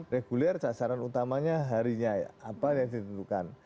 regulier sasaran utamanya harinya apa yang ditentukan